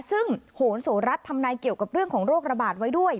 ซึ่งโหนโสรัสทำนายเกี่ยวกับเรื่องของโรคระบาดไว้ด้วย